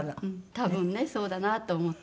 多分ねそうだなと思って。